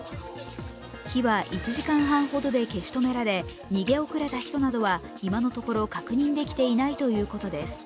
火は１時間半ほどで消し止められ逃げ遅れた人などは今のところ確認できていないということです。